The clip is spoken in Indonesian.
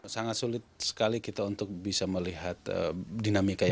sangat sulit sekali kita untuk bisa melihat dinamikannya